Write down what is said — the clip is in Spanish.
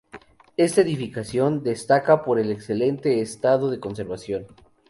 Esta edificación destaca por el excelente estado de conservación.